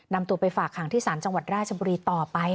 นำตัวไปฝากหางที่ศาลจังหวัดราชบุรีต่อไป